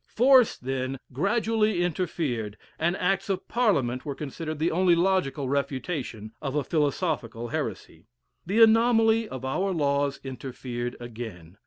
Force, then, gradually interfered, and acts of Parliament were considered the only logical refutation of a philosophical heresy. The anomaly of our laws interfered again.